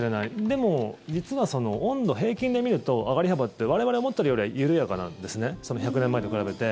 でも、実は温度平均で見ると、上がり幅って我々が思ってるよりは緩やかなんですね１００年前と比べて。